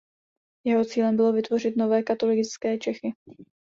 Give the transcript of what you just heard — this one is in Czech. Jeho cílem bylo „vytvořit nové katolické Čechy“.